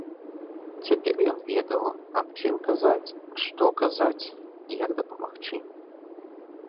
Цяпер ён ведаў, аб чым казаць, што казаць, як дапамагчы.